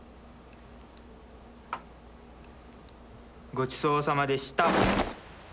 ごちそうさまでした。